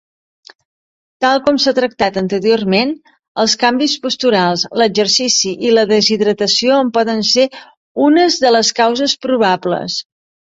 Tal com s'ha tractat anteriorment, els canvis posturals, l'exercici i la deshidratació en poden ser unes de les causes probables.